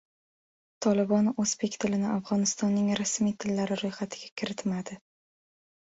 Tolibon o‘zbek tilini Afg‘onistonning rasmiy tillari ro‘yxatiga kiritmadi